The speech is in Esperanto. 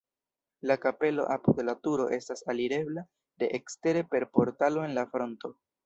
La kapelo apud la turo estas alirebla de ekstere per portalo en la fronto.